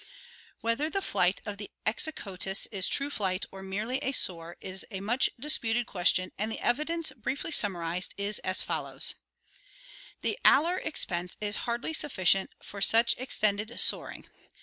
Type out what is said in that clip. Whether the flight of Exoccetus is true flight or merely a soar is a much disputed question and the evidence, briefly summarized, is as follows: The alar expanse is hardly sufficient for such extended soaring.